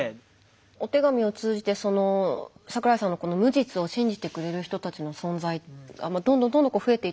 お手紙を通じてその桜井さんの無実を信じてくれる人たちの存在がどんどんどんどん増えていったと思うんですが。